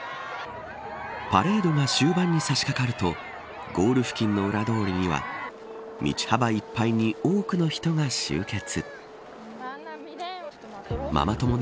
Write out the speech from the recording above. パレードが終盤に差し掛かるとゴール付近の裏通りには道幅いっぱいに多くの人が集結。